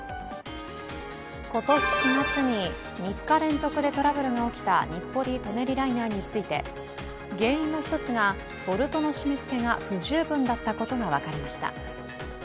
今年４月に３日連続でトラブルが起きた日暮里・舎人ライナーについて原因の一つが、ボルトの締め付けが不十分だったことが分かりました。